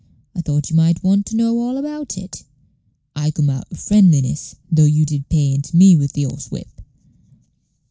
I thought you might want to know all about it. I coom out o' friendliness, though you did pay into me with th' horsewhip."